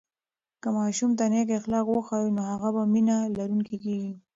که ماشوم ته نیک اخلاق وښیو، نو هغه ښه مینه لرونکی کېږي.